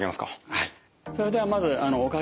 はい。